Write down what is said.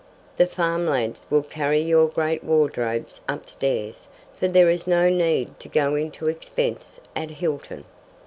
The farm lads will carry your great wardrobes upstairs, for there is no need to go into expense at Hilton."